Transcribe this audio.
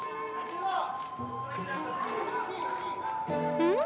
うん？